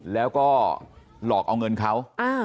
แล้วก็หลอกเอาเงินเขา